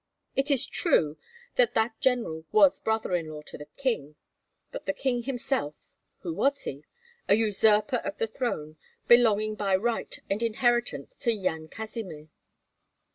It is true that that general was brother in law to the king; but the king himself, who was he? A usurper of the throne belonging by right and inheritance to Yan Kazimir.